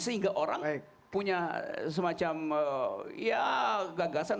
sehingga orang punya semacam ya gagasan